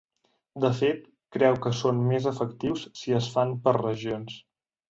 De fet, creu que són més efectius si es fan per regions.